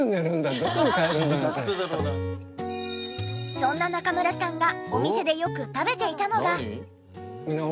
そんな中村さんがお店でよく食べていたのが。